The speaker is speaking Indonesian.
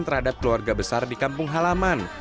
terhadap keluarga besar di kampung halaman